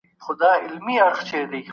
دواړي کورنۍ په واده کي خوښي اظهاروي.